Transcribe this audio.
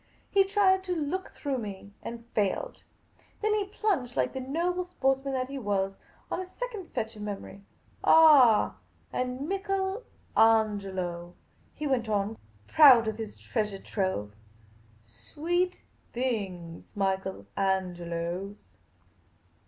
He tried to look through me, and failed. Then he plunged, like the noble sportsman that he was, on a second fetch of memory. " Ah — and Michael Angelo," he went on, quite The Pea Green Patrician 225 proud of his treasure trove. " Sweet things, Michael Angelo's